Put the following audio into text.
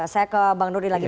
saya ke bang dodi lagi